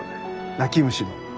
泣き虫の。